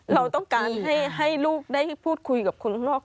เราต้องการให้ลูกได้พูดคุยกับคนข้างนอก